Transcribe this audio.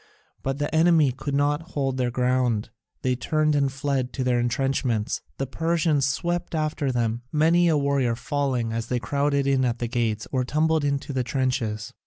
But the enemy could not hold their ground; they turned and fled to their entrenchments. The Persians swept after them, many a warrior falling as they crowded in at the gates or tumbled into the trenches.